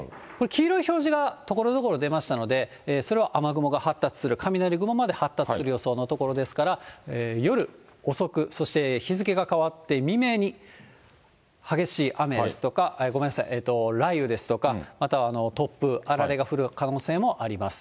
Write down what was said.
黄色い表示が所々出ましたので、それは雨雲が発達する、雷雲まで発達する予想の所ですから、夜遅く、そして日付が変わって未明に激しい雨ですとか、ごめんなさい、雷雨ですとか、または突風、あられが降る可能性もあります。